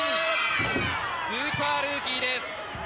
スーパールーキーです。